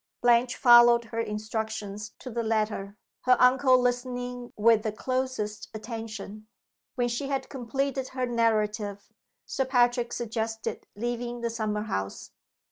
Blanche followed her instructions to the letter, her uncle listening with the closest attention. When she had completed her narrative, Sir Patrick suggested leaving the summer house.